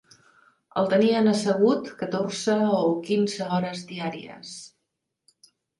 El tenien assegut catorze o quinze hores diàries